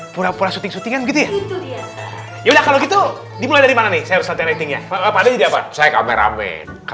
pura pura syuting syutingan gitu ya itu dia yaudah kalau gitu dimulai dari mana nih saya